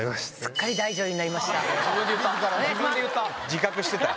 自覚してた。